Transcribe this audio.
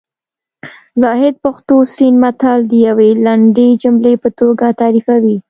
زاهد پښتو سیند متل د یوې لنډې جملې په توګه تعریفوي